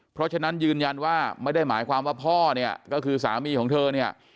เพราะฉะนั้นยืนยันว่าไม่ได้หมายความว่าพ่อเนี่ยก็คือสามีของเธอเนี่ย